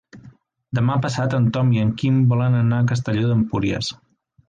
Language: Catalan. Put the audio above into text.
Demà passat en Tom i en Quim volen anar a Castelló d'Empúries.